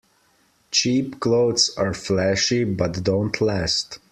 Cheap clothes are flashy but don't last.